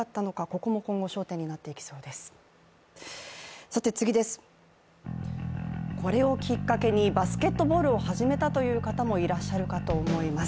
これをきっかけにバスケットボールを始めたという方もいらっしゃるかと思います。